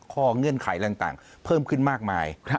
เงื่อนไขต่างเพิ่มขึ้นมากมาย